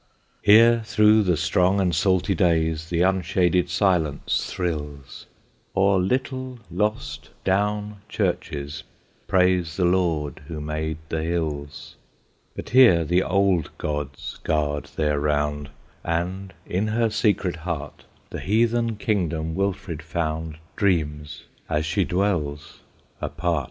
Here through the strong and salty days The unshaded silence thrills; Or little, lost, Down churches praise The Lord who made the Hills: But here the Old Gods guard their round, And, in her secret heart, The heathen kingdom Wilfrid found Dreams, as she dwells, apart.